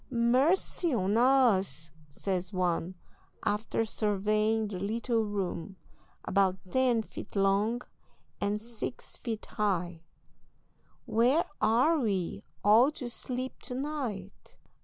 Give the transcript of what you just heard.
"Mercy on us!" says one, after surveying the little room, about ten feet long and six feet high, "where are we all to sleep to night?"